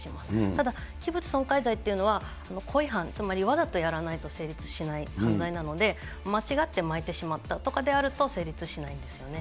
ただ器物損害罪というのは、故意犯、わざとやらないと成立しない犯罪なので、間違ってまいてしまったとかであると、成立しないんですよね。